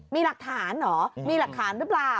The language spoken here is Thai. มีหลักฐานเหรอมีหลักฐานหรือเปล่า